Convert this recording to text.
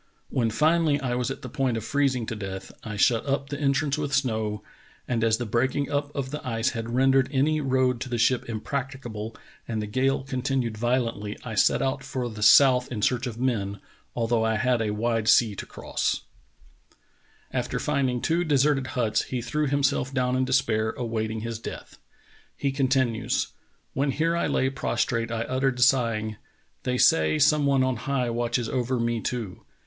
When finally I was at the point of freezing to death, I shut up the entrance with snow, and as the breaking up of the ice had rendered any near road to the ship im practicable, and the gale continued violently, I set out for the south in search of men, although I had a wide sea to cross." l66 True Tales of Arctic Heroism After finding two deserted huts he threw himself down in despair, awaiting his death. He continues: "When here I lay prostrate I uttered sighing, They say some one on high watches over me too.